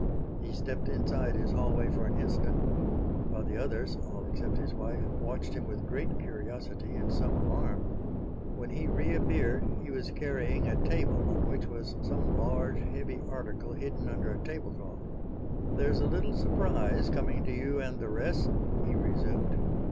He stepped inside his hallway for an instant, while the others, all except his wife, watched him with great curiosity and some alarm. When he reappeared he was carrying a table on which was some large, heavy article hidden under a tablecloth. "There's a little surprise coming to you and the rest," he resumed.